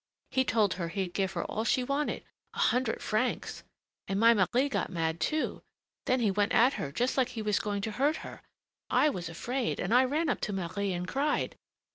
He told her he'd give her all she wanted, a hundred francs! And my Marie got mad, too. Then he went at her, just like he was going to hurt her. I was afraid, and I ran up to Marie and cried.